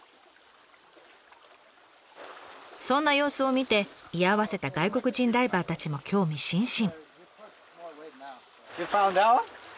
そんな様子を見て居合わせた外国人ダイバーたちも興味津々。